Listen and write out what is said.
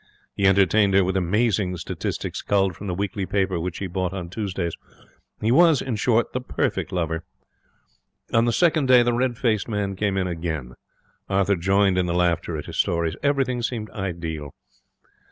He entertained her with amazing statistics, culled from the weekly paper which he bought on Tuesdays. He was, in short, the perfect lover. On the second day the red faced man came in again. Arthur joined in the laughter at his stories. Everything seemed ideal.